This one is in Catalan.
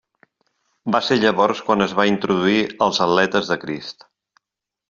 Va ser llavors quan es va introduir als Atletes de Crist.